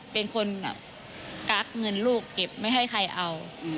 เป็นคนกักเงินลูกเก็บไม่ให้ใครเอา